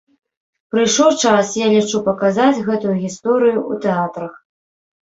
Прыйшоў час, я лічу, паказаць гэтую гісторыю ў тэатрах!